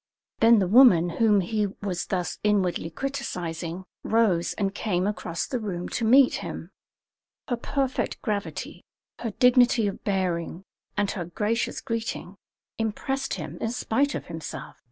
Then the woman whom he was thus inwardly criticising rose and came across the room to meet him. Her perfect gravity, her dignity of bearing, and her gracious greeting, impressed him in spite of himself.